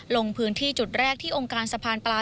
ลงพื้นที่จุดแรกที่องค์การสะพานปลา